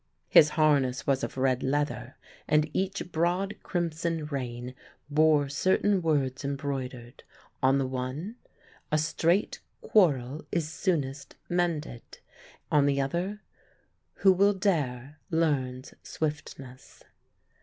His harness was of red leather, and each broad crimson rein bore certain words embroidered: on the one "A Straight Quarrel is Soonest Mended "; on the other, "Who Will Dare Learns Swiftness."